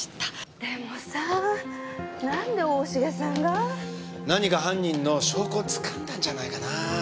でもさぁなんで大重さんが？何か犯人の証拠をつかんだんじゃないかなぁ？